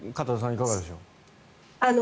いかがでしょう。